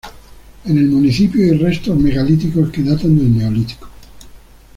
En el municipio hay restos megalíticos que datan del Neolítico.